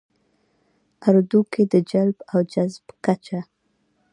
ه اردو کې د جلب او جذب کچه